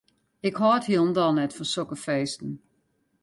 Ik hâld hielendal net fan sokke feesten.